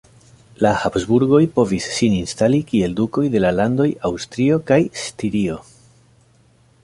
La Habsburgoj povis sin instali kiel dukoj de la landoj Aŭstrio kaj Stirio.